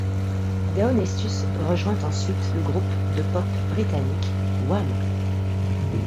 Deon Estus rejoint ensuite le groupe de pop britannique Wham!.